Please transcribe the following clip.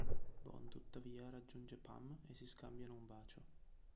Bond tuttavia raggiunge Pam e si scambiano un bacio.